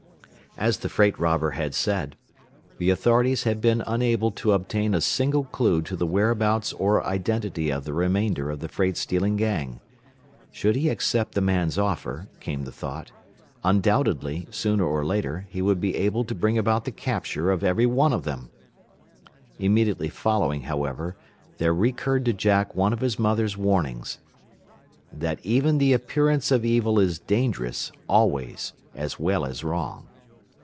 As the freight robber had said, the authorities had been unable to obtain a single clue to the whereabouts or identity of the remainder of the freight stealing gang. Should he accept the man's offer, came the thought, undoubtedly, sooner or later, he would be able to bring about the capture of every one of them. Immediately following, however, there recurred to Jack one of his mother's warnings "that even the appearance of evil is dangerous, always, as well as wrong."